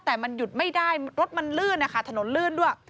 แต่มันหยุดไม่ได้รถมันลื่นนะคะถนนลื่นด้วย